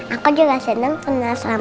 aku juga seneng pernah sama om